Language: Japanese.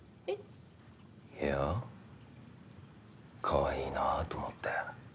えっ？いやかわいいなと思って。